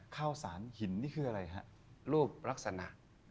ข้าวสารหินนี่คืออะไรฮะ